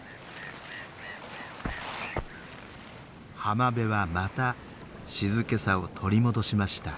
浜辺はまた静けさを取り戻しました。